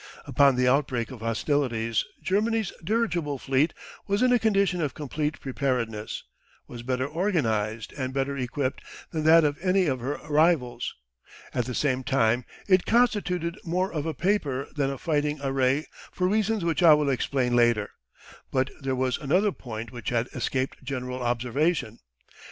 Upon the outbreak of hostilities Germany's dirigible fleet was in a condition of complete preparedness, was better organised, and better equipped than that of any of her rivals. At the same time it constituted more of a paper than a fighting array for reasons which I will explain later. But there was another point which had escaped general observation.